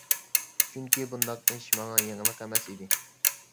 چۈنكى بۇنداق ئىش ماڭا يېڭىلىق ئەمەس ئىدى.